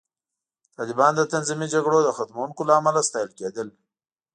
طالبان د تنظیمي جګړو د ختموونکو له امله ستایل کېدل